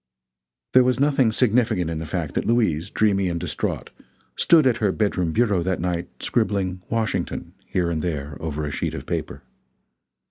There was nothing significant in the fact that Louise, dreamy and distraught, stood at her bedroom bureau that night, scribbling "Washington" here and there over a sheet of paper.